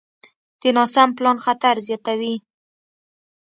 د ناسم پلان خطر زیاتوي.